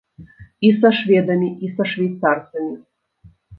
І са шведамі, і са швейцарцамі.